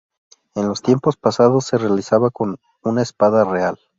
En los tiempos pasados se realizaba con una espada real.